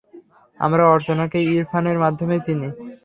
আমরা অর্চনাকে ইরফানের মাধ্যমেই চিনি।